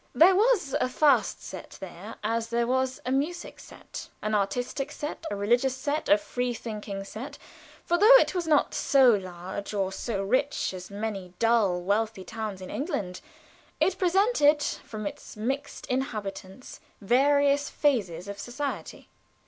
There was a fast set there as there was a musical set, an artistic set, a religious set, a free thinking set; for though it was not so large or so rich as many dull, wealthy towns in England, it presented from its mixed inhabitants various phases of society.